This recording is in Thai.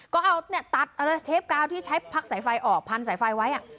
ก็เอาเนี่ยตัดเทปกาวที่ใช้ผักไฟฟ้าออกพันไฟฟ้าไว้